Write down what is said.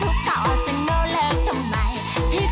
อยู่กับเพื่อนก็ฟูงดีนี่